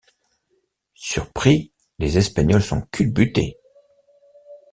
Surpris, les Espagnols sont culbutés.